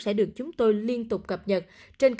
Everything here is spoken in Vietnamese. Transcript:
sẽ được chúng tôi liên tục cập nhật